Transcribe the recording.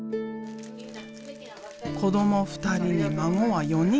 子ども２人に孫は４人。